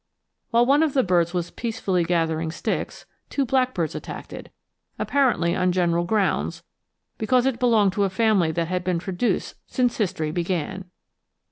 While one of the birds was peacefully gathering sticks, two blackbirds attacked it, apparently on general grounds, because it belonged to a family that had been traduced since history began.